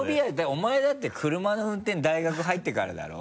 お前だって車の運転大学入ってからだろ？